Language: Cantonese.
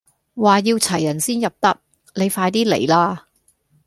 話要齊人先入得，你快 D 來啦